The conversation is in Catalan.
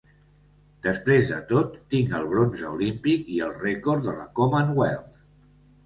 Després de tot, tinc el bronze olímpic i el record de la Commonwealth.